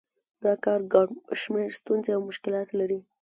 دا کار ګڼ شمېر ستونزې او مشکلات لري